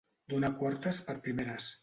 Donar quartes per primeres.